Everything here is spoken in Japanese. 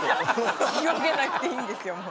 広げなくていいですよ